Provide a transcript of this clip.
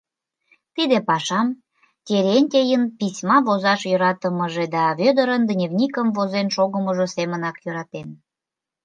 Тиде пашам Терентейын письма возаш йӧратымыже да Вӧдырын дневникыш возен шогымыжо семынак йӧратен.